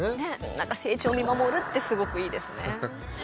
何か成長見守るってすごくいいですね